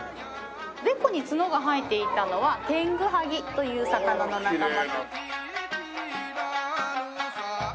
おでこに角が生えていたのはテングハギという魚の仲間。